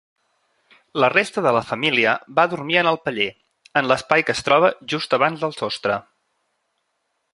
La resta de la família va dormir en el paller, en l'espai que es troba just abans del sostre.